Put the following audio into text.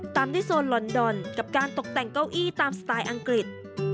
ตามด้วยโซนลอนดอนกับการตกแต่งเก้าอี้ตามสไตล์อังกฤษ